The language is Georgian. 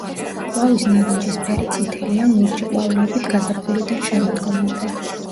ყვავის ნარინჯისფერი, წითელი ან ლურჯი ყვავილებით გაზაფხულიდან შემოდგომამდე.